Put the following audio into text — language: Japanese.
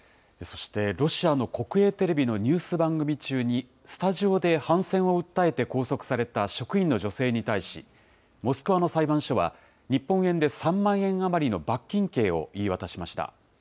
そして、ロシアの国営テレビのニュース番組中に、スタジオで反戦を訴えて拘束された職員の女性に対し、モスクワの裁判所は、日本円で３万円余りの罰金刑を言い渡しました。